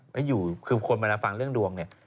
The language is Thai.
ไม่อยู่คือคนเวลาฟังเรื่องดวงเนี่ย